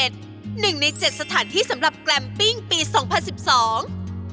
หนึ่งในเจ็ดสถานที่สำหรับแกรมปิ้งปีสองพันสิบสอง